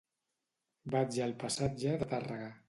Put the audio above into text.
Vaig al passatge de Tàrrega.